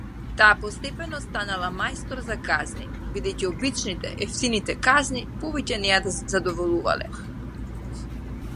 Таа постепено станала мајстор за казни, бидејќи обичните, евтините казни повеќе на ја задоволувале.